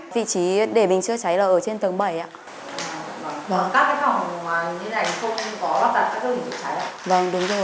vị trí để bình chữa cháy là ở trên tầng bảy ạ